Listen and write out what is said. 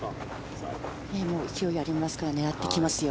勢いありますから狙ってきますよ。